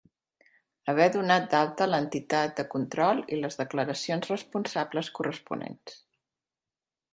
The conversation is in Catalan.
Haver donat d'alta l'entitat de control i les declaracions responsables corresponents.